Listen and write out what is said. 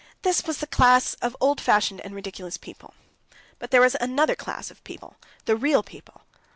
This was the class of old fashioned and ridiculous people. But there was another class of people, the real people.